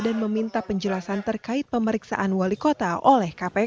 dan meminta penjelasan terkait pemeriksaan wali kota oleh kpk